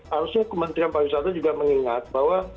harusnya kementerian pariwisata juga mengingat bahwa